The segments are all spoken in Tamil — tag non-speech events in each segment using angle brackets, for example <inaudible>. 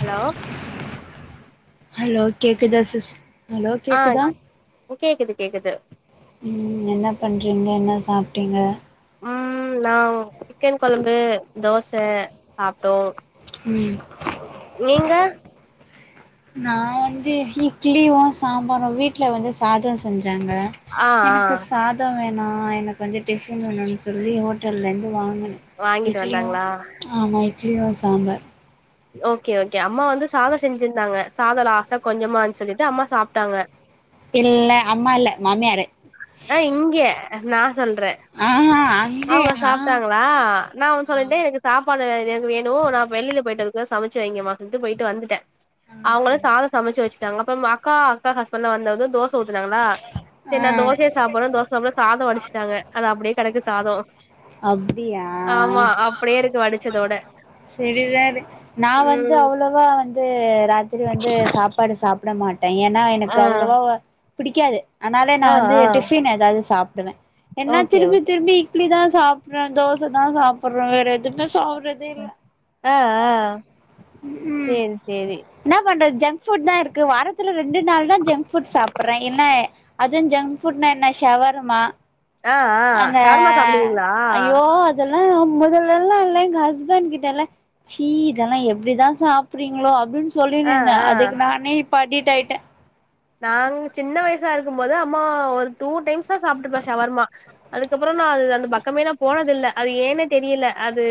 ஹலோ ஹலோ கேக்குதா சிஸ் ஹலோ ஆ கேக்குதா கேக்குது கேக்குது ம் என்ன பண்றீங்க என்ன சாப்டீங்க ம் நா சிக்கன் கொலம்பு தோச சாப்டோ ம் நீங்க நா வந்து இட்லியு சாம்பாரும் வீட்ல வந்து சாதோ செஞ்சேங்க ஆ ஆ எனக்கு சாதோ வேணா எனக்கு வந்து டிஃபன் வேணுன் சொல்லி ஹோட்டல்லந்து வாங்கி வாங்கிட்டு இட்லியா வந்தாங்களா ஆமா இட்லியு சாம்பார் ஓகே ஓகே அம்மா வந்து சாதம் செஞ்சிருந்தாங்க சாதம் லாஸ்டா கொஞ்சமா அரிசி போட்டு அம்மா சாப்டாங்க இல்ல அம்மா இல்ல மாமியாரு அட இங்கே நா சொல்றே ஆ அவுங்க அங்கயா சாப்ட்டாங்க ஆ நான் ஒன் சொல்லிட்டே எனக்கு சாப்பாடு இது எனக்கு வேணும் நான் வெளியில பேயிட்டு இருக்கேன் சமைச்சி வைங்கம்மா ன்ட்டு போயிட்டு வந்துட்டேன் ஆ அவுங்களும் சரி சாதம் சமைச்சு வச்சுட்டாங்க அப்றம் அக்கா அக்கா ஹஸ்பண்ட்லாம் வந்ததும் தோசை ஊத்துனாங்களா செரி ஆ நானு தோசையே சாப்பிடுறேன் தோசை சாப்பிட சாதம் வடிச்சுட்டாங்க அது அப்பிடியே கெடக்கு ஹலோ அப்டியா இருக்கு வடிச்சதோட செரி சாரு நான் வந்து ம் அவ்வளவா வந்து ராத்திரி வந்து சாப் பாடு சாப்பிட மாட்டே ஏன்னா எனக்கு ஆ அவ்ளோவா பிடிக்காது அதனாலே நா ஆ வந்து ஆ டிஃபன் ஏதாது சாப்டுவ என்னா ஓகே திரும்பி ஓகே திரும்பி இட்லிதா சாப்புற்றோ தோசதா சாப்புற்றோ வேற எதுமே சாப்பற ஆ ஆ சேரி சேரி என்ன பண்றது ஜங்க் ஃபுட் தா இருக்கு வாரத்துல ரண்டு நாள் தா ஜங்க் ஃபுட் சாப்பற்றேன் இல்ல ஜங்க்ஃபுட்னா என்ன ஷவரமா ஆ ஆ ஷவர்மா சாப்டுவீங்களா ஓ அதல்லா முதல்லல்லா இல்ல எங்க ஹஸ்பண்ட் கிட்டல்லா சீ இதெல்லா எப்டிதா சாப்றீங்களோ அப்டின் ஆ சொல்லிட்டுருந்தே ஆ அதுக்கு நானே இப்ப அடிட்டாயிட்ட நாங்க சின்ன வயசா இருக்கும் போது அம்மா ஒரு டூ டைம்ஸ் தா சாப்ட்ருப்பேன் ஷவர்மா அதுக்கப்புறோ நா அது அந்த பக்கமே நா போனதில்ல அது ஏன்னே தெரியல அது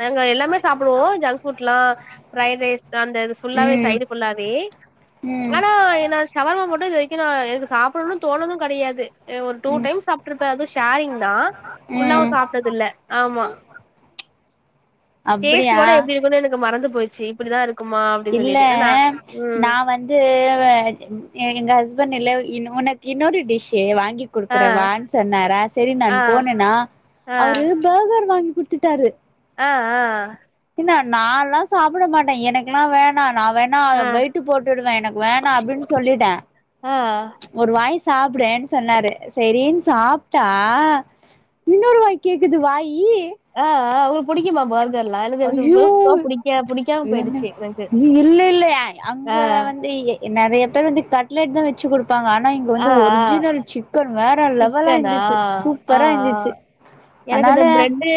நாங்க எல்லாமே சாப்பிடுவோம் ஜங்க் ஃபுட்ல்லாம் ஃப்ரைட் ரைஸ் அந்த இது ஃபுல்லாவே ம் சைடு ஃபுல்லாவே ம் ஆனா நா சவர்மா மட்டு இது வரைக்கு நா எனக்கு சாப்டணு தோண்ணது கெடையாது அ ஒரு டூ ம் டைம்ஸ் சாப் ருப்ப அது ஷேரிங்தா ஃபுல்லாவு ம் சாப்ட்டது இல்ல ஆமா டேஸ்ட்டு அப்டியா கூட எப்டி இருக்குன்னு எனக்கு மறந்து போய்ச்சு இப்டிதா இருக்குமா அப்பிடின் சொல்லிட்டு ஏன்னா ம் த்து வ எ எங்க ஹஸ்பண்ட் இல்ல இன்னோனக்கு இன்னொரு டிஷ்ஷு வாங்கித் ஆ குடுக்குறே வான்னு சொன்னாரா செரி நானு ஆ போனேனா ஆ அவரு பர்கர் வாங்கி குடுத்துட்டாரு அ அ அ என்ன நால்லா சாப்டமாட்ட எனக்ல்லா வேணா நா வேண் நா ஆ வெயிட்டு போட்டுடுவே எனக்கு வேணா அப்டின்னு சொல்லிட்டே ஆ ஒரு வாய் சாப்டேன் சொன்னாரு செரின் சாப்ட்டா இன்னொரு வாய் கேக்குது வாயி அ அ உங்களுக்கு புடிக்குமா பர் ஐயோ இதுல என்ன போயிடுச்சு எனக்கு இல்லல்ல அங்க ஆ வந்து நெறைய பேர் வந்து கட்லெட் தா வச்சு கொடுப்பாங்க ஆனா இங்க ஆ வந்து ஆ ஒரிஜினல் சிக் க்கன் வேற லெவலா சிக்கனா இருந்துச்சு ஆ சூப்பரா ஆ இருந்துச்சு எனக்கு அதனால இந்த பிரெட்டு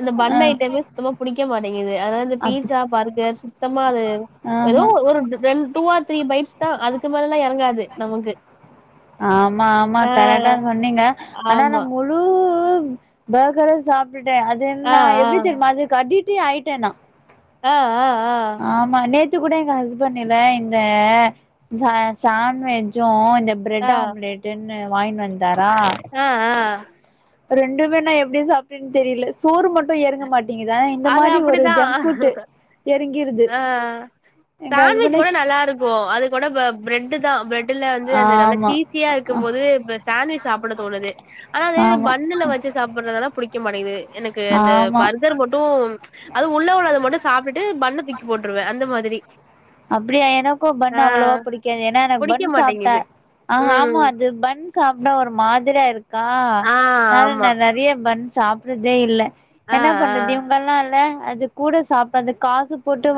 இந்த அ பண்ணு ஐட்டமே புடிக்க மாட்டேங்குது அதாவ்து இந்த அப்டி பீட்சா பர்கர் சுத்தமா அது எதோ ஆஹா ஒரு ஒரு ரெண் டூவாது த்ரீ பைட்ஸ் தான் அதுக்கு மேல எல்லா எறங்காது நம்மளுக்கு ஆமா ஆமா கரெக்ட்டா சொன்னீங்க ஆனா நா ஆமா. முழு பர்கரும் சாப் டுட்டேன் அது ஆ, என்னா எப்டி தெரிமா அதுக்கடிட்டே ஆயிட்டேன் நா அ அ அ ஆமா நேத்து கூட எங்க ஹஸ்பண்ட் இல்ல இந்த ச சான்ட்வெஜ்ஜு இந்த ஆ, பிரெட் ஆம்லேட்டுன்னு வாய்ன் வந்தாரா அ அ ரெண்டுமே நா எப்டி சாப்ட்டேன்னு தெரியில சோறு மட்டு எறங்க மாட் டேங்குது அதா இந்த அது மாதிரி ஒரு அப்படிதான். ஜங்க் ஃபுட்டு எறங்கிருது ஆ. சாண்ட்விச் கூட நல்லா இருக்கூ அது கூட ப பிரெட்டு தான் பிரெட் ட்டுல வந்து அது நல்லா ஆமா, சீசியா இருக்கும் போது இப்ப சாண்ட்விச் சாப்பட தோணுது ஆனா அதே இது ஆமா, பண்ணுல வச்சு சாப்பிடுறதுலாதா புடிக்க மாட்டேங்குது எனக்கு இந்த ஆமா. பர்கரு மட் டும் அதும் உள்ள உள்ளது மட்டு சாப்ட்டுட்டு பண்ண தூக்கி போட்டுருவே அந்த மாதிரி அப்டியா எனக்கூ பண் ஆ அவ்வளவா புடிக்காது ஏன்னா எனக்கு புடிக்க பண் சாப்ட்ட மாட்டேங்குது ஆமா ம் ஆமா அது பண் சாப்டா ஒரு மாதிரியா இருக்கா ஆ அதனால ஆமா நா நெறைய பண் சாப்புடுறதே இல்ல ஆ என்ன பண்றது ஆ இவங்கல்லா இல்ல அது கூட சாப்பதுக் காசு போட்டு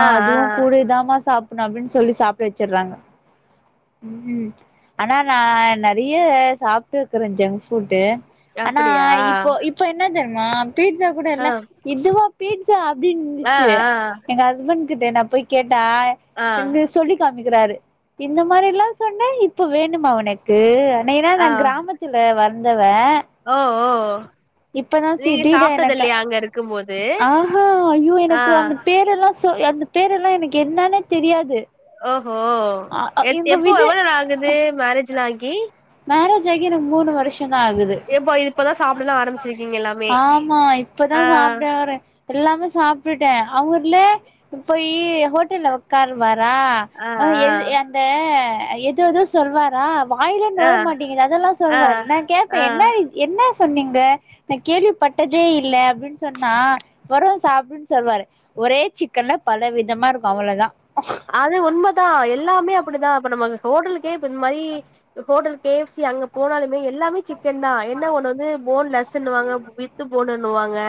ஆ ஆ அதுவு இதாமா சாப்புணு அப்டின் சொல்லி சாப்ட வச்சிறாங்க ம் ஆனா நா நறைய சாப்ட்டுருக்றே ஜங்க் ஃபுட்டு ஆனா அப்படியா இப்போ இப்ப என்ன தெரிமா பீட்சா கூட ஆ இல்ல இதுவா பீட்சா அப்டின்னு ஆ இருந்துச்சு எங்க ஹஸ்பண்ட் கிட்ட நா போய் கேட்டா ஆ ஆ ன்னு சொல்லி காமிக்கிறாரு இந்த மாரியெல்லா சொன்ன இப்ப வேணுமா ஒனக்கு ஒன்னயெல்லா ஆ நா கிராமத்து துல வளந்தவே ஓ ஓ இப்பதா நீங்க சிட்டில சாப்ட்டது எனக்கு இல்லையா அங்க இருக்கும் போது ஆஹா ஐயோ எனக்கு ஆ அந்த பேரெல்லா ஸோ அந்த பேரெல்லா எனக்கு என்னனே தெரியாது ஓஹோ அ எத் எங்க எப்போ விது எவ்வள நாள் ஆகுது மேரேஜ்லா ஆகி மேரேஜ் ஆகி எனக்கு மூணு வருஷந்தா ஆகுது எப்போ இப்பதா சாப்டலா ஆரம்பிச்சிருக்கீங்க எல்லாமே ஆமா ஆ இப்பதான் சாப்டாரு எல்லாமே சாப்டுட்டே அவுருல்ல போயி ஹோட்டல்ல ஒக்காருவாரா ஆ அ எது அந்த எது எதுவு சொல்வாரா வாயிலயே ஆ ஆ நொழயமாட்டேங்கிது அதெல்லா ஆ சொல்வாரு நா கேப்பே ஆ என்ன இது என்ன சொன்னீங்க நா கேள்விப்பட்டதே இல்ல அப்டின் சொன்னா வருவா சாப்டுட் சொல்வாரு ஒரே சிக்கன்ல பல விதமா இருக்கு அவ்வளதா அது உண்மதா எல்லாமே அப்படிதா இப்ப நம்ம ஹோட்டலுக்கே இப்ப இந் மாரி ஹோட்டல் கே எஃப் சி அங்க போனாலுமே எல்லாமே சிக்கன் தா என்ன ஒண்ணு வந்து போன்லஸ் னுவாங்க வித்து போனுனுவாங்க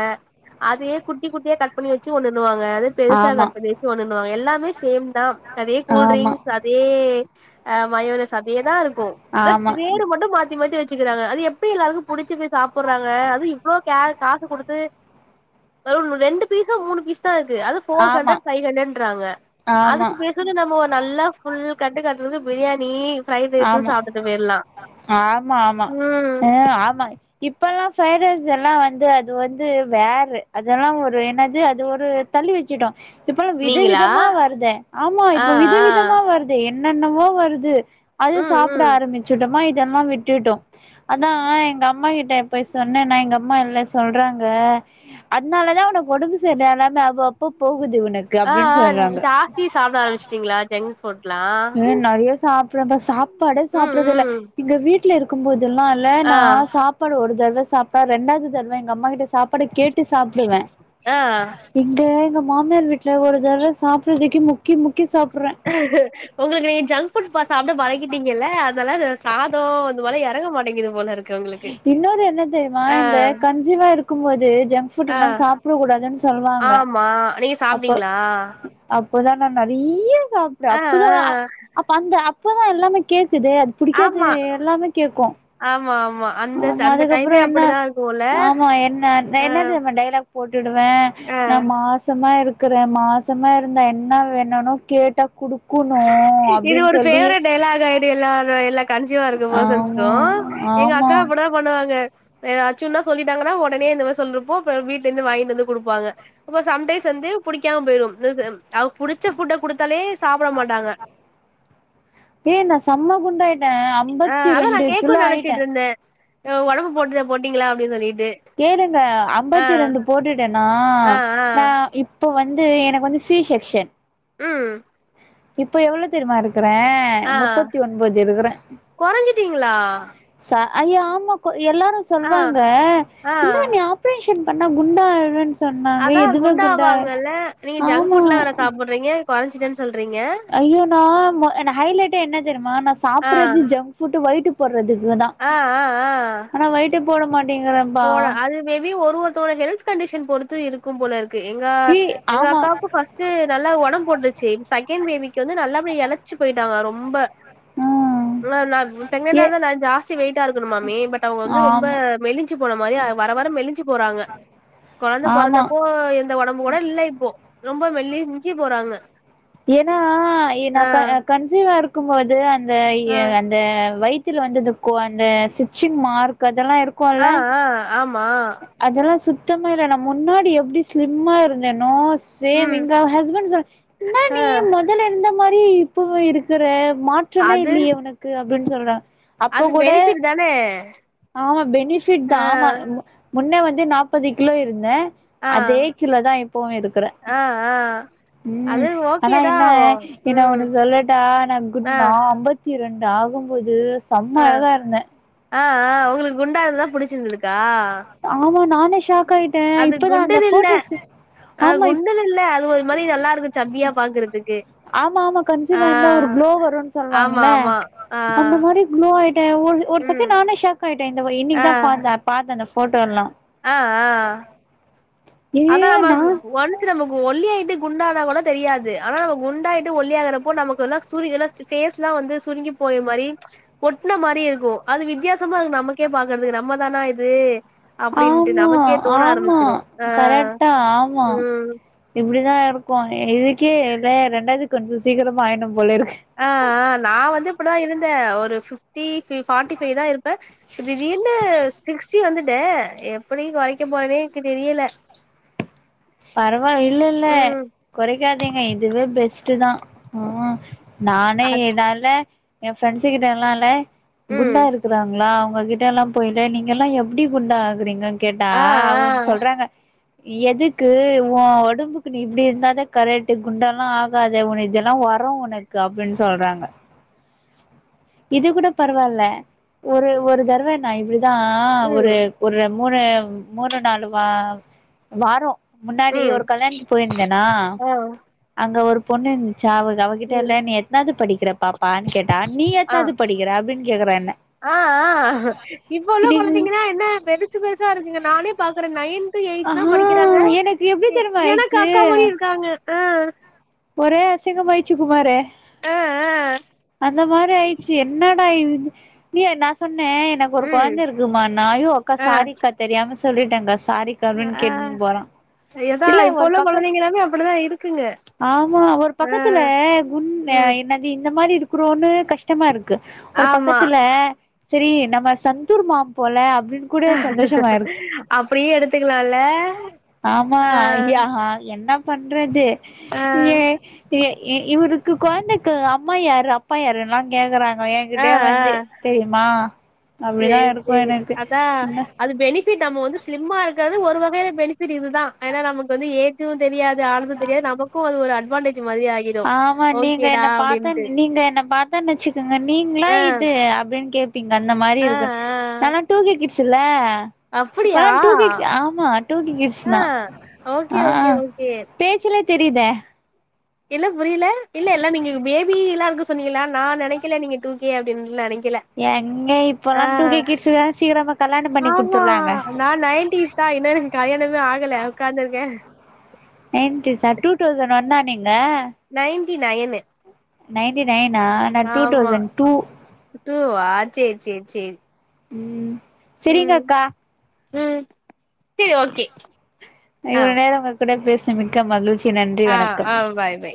அதயே குட்டி குட்டியா கட் பண்ணி வெச்சு ஒன்னுனுவாங்க அதே பெருசா ஆமா கட் பண்ணி வெச்சு ஒன்னுனுவாங்க எல்லாமே சேம் தா அதே ஆமா கூல்ரிங்க்ஸ் அதே அ மயோனஸ் அதேதா இருக்கு த ஆமா பேரு மட்டு மாத்தி மாத்தி வெச் ச்சுகுறாங்க அது எப்டி எல்லாருக்கு புடிச்சு போய் சாப்புடுறாங்க அது இவ்ளோ கே காசு குடுத்து அதும் ரெண்டு பீசோ மூணு பீஸ் தா இருக்கு அது ஃபோர் ஆமா ஹண்ட்ரட் ஃபைவ் ஹண்ட்ரட்ன்றாங்க ஆமா அதுக்கு பேசாம நம்மோ ஒரு நல்லா ஃபுல் கட்டு கட்டுறது பிரியாணி ஃப்ரைட் ரைஸு ஆமா சாப்ட்டுட்டு போயிர்லா ஆமா ஆமா ம் அ ஆமா இப்பல்லா ஃப்ரைட் ரைஸ் எல்லா வந்து அது வந்து வேறு அதெல்லா ஒரு என்னது அது ஒரு தள்ளி வெச்சிட்டோ இப்பல்லா நீங்களா விதவிதமா வருதே ஆமா ஆ இப்ப ஆ விதவிதமா வருது து என்னென்னமோ வருது அது ம் சாப்பிட ம் ஆரம்பிச்சுட்டோமா இதெல்லா விட்டுட்டோ அனா எங்கம்மா கிட்ட போய் சொன்னேன்னா எங்க அம்மா இல்ல சொல்றாங்க அதனால தா ஒனக்கு ஒடம்பு சேர் எல்லாமே அப் அப்போ போகுது உனக் ஆ அஹ் ஜாஸ்தி சாப்ட ஆரம்பிச்சுட்டீங்களா ஜங்க ஃபுட்லா நறயா சாப்றங்கா சாப்பாடே ம் சாப்றதில்ல ம் இங்க வீட்ல இருக்கும்போதெல்லா ல ஆ நா சாப்பாடு ஒரு தடவ சாப்டா ரெண்டாது தடவ எங்கம்மா கிட்ட சாப்பாடு கேட் டு சாப்டுவே ஆ இங்க எங்க மாமியார் வீட்ல ஒரு தடவ சாப்புறதுக்கே முக்கி முக்கி சாப்புடுற உங்களுக்கு நீங் ஜங்க் ஃபுட் சாப்டே பழகிட்டீங்கல்ல அனால <unintelligible> சாதோ அந்த மாரிலா எறங்க மாட்டேங்குது போல இருக்கு உங்களு இன்னொரென்ன தெரியுமா இந்த கன்சீவா இருக்கும்போது ஜங்க் ஆ ஃபுட்டெலா சா ப்புட கூடாதுன் சொல்வாங்க அ நீங்க சாப்டீங்களா அப்பதா நா நறைய சாப்ட்ட ஆ அப்பதா ஆ அப்ப அந்த அப்பதா எல்லாமே கேக்குதே புடிக்காது ஆமா எல்லாமே கேக்கு ஆமா ஆம் ஆமா அதுக்கப்பறே என்ன ஆமா என்ன ஆ என்னன் தெரியுமா டைலாக் போட்டுடுவே ஆ நா மாசமா இருக் குற மாசமா இருந்தா என்ன வேணுனு கேட்டா குடு இது ஒரு ஃபேவரட் டைலாகாயிடு எல்லா எல்லா கன்சியூவா இருக்க ஆமா பேர்சன்ஸ்க்கு எங்க ஆமா அக்கா அபுட் தா பண்ணுவாங்க எதாச்சுனா சொல்லிட்டாங்கன்னா ஒடனே இந்த மாரி சொல்றப்போ அப்றோ வீட்லிருந்து வாங்கிட்டு வந்து குடுப்பாங்க அப்போ சம்டைம்ஸ் வந்து புடிக்காம போயிடும் இது புடிச்ச ஃபுட்ட குடுத்தாலே சாப் ஏ நா சம்ம குண்டாயிட்ட ஆ அதா நா கேக்குன் நெனச்சிட்ருந்த அஹ் ஒடம்பு போட்டு போட்டீங்களா அப்டி சொல்லிட்டு கேளுங்க ஆ அம்பத்தி ரெண்டு போட்டுட்டேனா ஆ ஆ நா இப் போ வந்து எனக்கு வந்து ஷி ஷெக்ஷன் ம் இப்போ எவ்வளோ தெரியுமா இருக்குறே ஆ முப்பத்தி ஒன்போது இருக்குற கொறஞ்சிட்டீங்களா ச ஐயா ஆமா கோ எல்லாரு ஆ சொல்வாங்க ஆ இந்தா நீ ஆ ப்ரேஷன் பண்ணா குண்டாய்ருவேன் சொன்னாங்க அதா எதுமே குண்டா குண்டாவாங்கல்ல ஆமா றீங்க கொறஞ்சிட்டன் சொல்றீங்க ஐயே நா மோ என ஹைலைட்டே என்ன தெரியுமா நா ஆ சாப்புடுறது ஜங் ஃபுட்டு வயிட்டு போடுறதுக்கு தா ஆ ஆ ஆ ஆனா வயிட்டே போட மாட்டீங்குறன்ப்பா போலா அது மேபி ஒரு ஒருத்தவுங்க ஹெல்த் கண்டிஷன் பொறுத்து இருக்கும் போல இருக்கு எங்க ஏ எங்க ஆமா அக்காக்கு ஃபர்ஸ் ட்டு நல்லா ஒடம் போட்ருச்சு செகேண்ட் பேபிக்கு வந்து நல்லா அப்டியே எழச்சு போயிட்டாங்க ரொம்ப ம் நல்ல நா ப்ரெங்னன்டா ஏ இருந்தா நா ஜாஸ்தி வெயிட்டா இருக்கணுமாமே பட் அவுங்க வந்து ரொம்ப ஆமா மெலிஞ் மாரி வர வர மெலிஞ்சி போறாங்க கொழந்த ஆமா பொறந்தப்போ போ இருந்த ஒடம்பு கூட இல்ல இப்போ ரொம்ப மெலிஞ்சி போறாங்க ஏனா ஏ நா ஆ க கன்சீவ்வாருக்கு போது அந்த ஆ எ அந்த வய் த்துல வந்து இந்த கோ அந்த ஸ்டிச்சிங் மார்க் அதெல்லாரு ஆ ஆ ஆமா அதெல்லா சுத்தமா இல்ல நா முன்னாடி எப்டி ஸ்லிம்மா இருந்தேனோஸ் சேம் ம் எங்க ஹஸ்பண்ட் சொ இன்னா ஆ நீ மொதல்ல இருந்த மாரி இப்பவு இருக்குற மா ற்றமே அது இல்லியே ஒனக்கு அப்டின் சொல்றாங் அப்போ அது கூட பெனிஃபிட் தானே ஆமா பெனிஃபிட் தா ஆ ஆமா முன்னே வந்து நாப்பது கிலோ இருந்தே ஆ அதே கிலோதா இப்பவு இருக்குறே ஆ ஆ ம் அது ஆனா ஓகேதா என்ன ஏ நா ம் ஒண்ணு சொல்லட்டா நா குண் ஆ நா அம்ப த்தி ரெண்டு ஆகும்போது செம்ம ஆ அழகா இருந்தே ஆ ஆ உங்களுக்கு குண்டா இருந்தா புடிச்சிருந்துதுக்கா ஆமா நானே ஷாக் ஆய்ட்டே இப்ப தா அந்த குண்டுனு இல்ல ஃபோட்டோஸ் ஆ ஆமா இப் குண்டுனு இல்ல அது ஒரு மாரி நல்லாருக்கு சப்பியா பாக்கறதுக்கு ஆமா ஆமா கன்சீவ்வாருந்தா ஒரு குளோ வருன் ஆமா சொல்வாங்ள ஆமா ஆ அந்த மாரி குளோ ஆய்ட்டே ஒரு ஒரு ம் செகண்ட் நானே ஷாக் ஆயிட்டே இந்த வ ஆ இன்னிக்கி தா ஃபாந்த பாத்தே அந்த ஃபோட்டோ எல்லா ஆ ஆ ஏ அதா நா நம்மாளுக்கு ஒன் ச்சு நமக்கு ஒல்லி ஆயிட்டு குண்டானா கூட தெரியாது ஆனா நம்ம குண்டாயிட்டு ஒல்லி ஆகுறப்போ நமக்கு எல்லா சுருங்கில ஃபேஸ்லா வந்து சுருங்கி போயிற் மாரி ஒட்ன மாரி இருக்கு அது வித்யாசமா நமக்கே பாக்குறதுக்கு நம்ம தானா இது அப்டின்ட்டு ஆமா நமக்கே தோண ஆமா ஆரம்பிச்சிரு ஆ கரெக்ட்டா ஆமா ம் இப்டி தாருக்கு இதுக்கே ல ரெண்டாது கன்சீவ் சீக்கரமா ஆயிர்ணு போலருக்கு ஆ ஆ நா வந்து இப்டி தா இருந்தே ஒரு ஃபிஃப் டி ஃபி ஃபார்டி ஃபைவ் தா இருப்பே ப்ப திடீர்னு சிக்ஸ்டி வந்துட்டே எப்டி கொறைக்க போறேனே எக்கு தெரியல பரவா இல்லல்ல ம் கொறைக்காதீங்க இதுவே பெஸ்ட்டு தா ஆ நானே அத் என்னால எ ஃப்ரெண்ட்ஸ்ஸு கிட்ட எல்லால ம் குண்டாரு க்குறாங்ளா அவுங்ககிட்டலா போய்ட்டு நீங்கலா எப்டி குண்டாகுறீங்க கேட்டா ஆ ஆ அவுங் சொல்றாங்க எது க்கு ஒ ஒடம்புக்கு நீ இப்டி இருந்தா தா கரெக்ட்டு குண்டாலா ஆகாத ஒன இதெல்லா வரோ ஒன க்கு அப்டின் சொல்றாங்க இது கூட பரவால்ல ஒரு ஒரு தர்வ நா இப்டி தா ஒரு ம் ஒரு மூணு மூணு நாலு வா வாரோ முன்னாடி ம் ஒரு கல்யாணத்துக்கு போயிருந்தேனா ஆ அங்க ஒரு பொண்ணு இந்துச்சா அவ அவகிட்ட இல்ல ம் நீ எத்னாது படிக்கிற பாப்பான்னு கேட்டா நீ எத் அ ஆ ஆ இப்ப உள்ள எனக்கு கொழந்தைங்னா என்ன பெரு சு பெருசா இருக்குங்க நானே பாக்குறே நைன் து ஆ எய்த் தா படிக்கிறாங்க எனக்கு எப்டி தெரியுமா எனக்கு ஆயிடுச்சு அக்கா மாரி இருக்காங்க ஆ ஒரே அசிங்கம் ஆய்ச்சு குமாரு அ அ அந்த மாரி ஆய்ச்சி என்னடா இது நீ நா சொன்னே என க்கொரு ம் கொழந்த இருக்குமானா அய்யோ அக்கா ஆ சாரி கா தெரியாம சொல்லிட்டே கா சாரி கான் கேட்ன் போறா எதா இல்ல இப்போ ஒரு உள்ள பக்கோ கொழந்தைங்களாமே அப்டிதா இருக்குங்க ஆமா ஒரு ஆ பக்கத்துல குண் அ ம் என்ன தி இந்த மாரி இருக்குறோன்னு கஷ்டமாருக்கு ஒரு ஆமா பக்கத்துல செரி நம்ம சந்தூர் மாம் போல அப்டின் கூட சந்தோஷமாருக்கு அப்டியே எடுத்துக்கலால்ல ஆமா ஆ அய்ய ஹா என்ன பண்றது ஆ ஏ எ இவுருக்கு கொழந்தைக்கு அ அம்மா யாரு அப்பா யாருன்லா கேக்கறா எ ஆ கிட்டயே ஆ வந்து தெரியுமா அப்டிதா சேரி இருக்கு சேரி எனக்கு அதா என்ன அது பெனிஃபிட் நம்ம வந்து ஸ்லிம்மா இருக்கது ஒரு வகையில பெனிபிட் இதுதா ஏனா நமக்கு வந்து ஏ ஜு தெரியாது ஆனது தெரியாது நமக்கு அது ஒரு அட்வான்டேஜ் மாதிரி ஆகி ஆமா நீங்க என்ன பாத்த நீங்க என்ன பாத் தன் வச்சுக்கங்க நீங்ளா ஆ இது அப்டின் கேப்பீங்க அந்த மாரி ஆ இருக்கு ஆ நாலா டூ கே கிட்ஸ் சில்ல அப்டியா இப்பல்லா டூக்கி ஆமா டூக்கே கிட்ஸ் ஆ நா ஓகே ஆ ஓகே ஓகே பேச்சிலே தெரியுதே இல்ல புரியல இல்ல எல்லாம இங்க பேபி எல்லா இருக்கு சொன்னீங்களா நா நெனைக்கல நீங்க டூ கே அப்டின்ல்ல நெனைக்கில எங்க இப்ப எல்லா டூ கே கீட்ஸ்க் தா சீக்கிரமா கல்யாண பண்ணி ஆமா குடுத்துறாங்க நா நைடீஸ் தா இன்னு எனக்கு கல்யணமே ஆகல உக்காந்துருக்கே நயன்டீஷா டூ தௌசண்ட் ஒன்னா நீங்க நயன்டி நயனு நைன்டி நையனா ஆமா டூ வா செரி செரி செரி ம் செரிங்க அக்கா ம் செரி ஓகே ஆ இவ்வள நேரம் உங்க கூட பேச மிக்க மகிழ்ச்சி நன்றி ஆ வணக்கம் ஆ பாய் பாய்